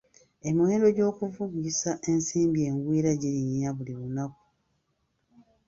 Emiwendo gy'okuvungisa ensimbi engwiira girinnya buli lunaku.